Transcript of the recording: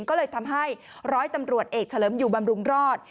ก็เลยทำให้ร้อยตำรวจเอกเฉลิมอยู่บำรุงรอด